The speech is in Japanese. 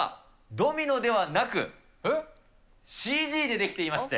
ドミノではなく、ＣＧで出来ていまして。